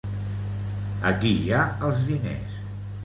Aquí hi ha els diners.